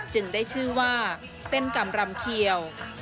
ได้ชื่อว่าเต้นกำรำเขียว